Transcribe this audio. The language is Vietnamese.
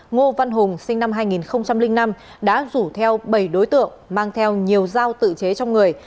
ngô văn hùng sinh năm hai nghìn năm đã rủ theo bảy đối tượng mang theo nhiều giao tự chế trong người